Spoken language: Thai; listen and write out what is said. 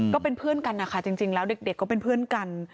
ก็เป็นเพื่อนกันนะคะจริงแล้วเด็กก็เป็นเพื่อนกัน